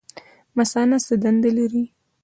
مثانه څه دنده لري؟